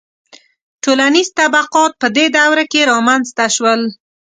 • ټولنیز طبقات په دې دوره کې رامنځته شول.